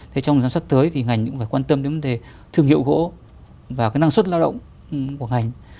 thế trong giám sát tới thì ngành cũng phải quan tâm đến vấn đề thương hiệu gỗ và cái năng suất lao động của ngành